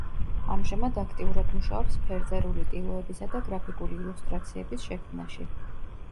ამჟამად აქტიურად მუშაობს ფერწერული ტილოებისა და გრაფიკული ილუსტრაციების შექმნაში.